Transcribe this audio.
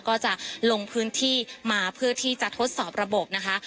ก็จะลงพื้นที่มาเพื่อที่จะทดสอบระบบนะคะ